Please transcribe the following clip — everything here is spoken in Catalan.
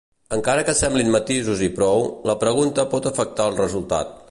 Encara que semblin matisos i prou, la pregunta pot afectar el resultat.